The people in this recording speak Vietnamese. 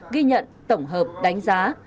ghi nhận tổng hợp đánh giá